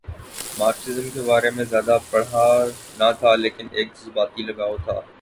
Marxism کے بارے میں زیادہ پڑھا نہ تھا لیکن ایک جذباتی لگاؤ تھا۔